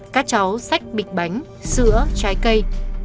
các cháu sách bịch bánh sữa trái cây